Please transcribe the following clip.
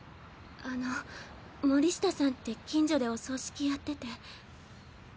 あの森下さんって近所でお葬式やってて。